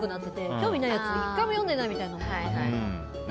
興味ないやつ１回も読んでないみたいな。